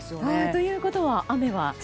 ということは雨は。